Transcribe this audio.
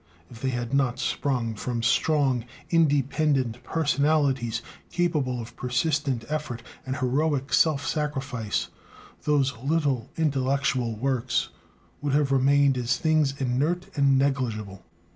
If they had not sprung from strong, independent personalities, capable of persistent effort and heroic self sacrifice, those little intellectual works would have remained as things inert and negligible.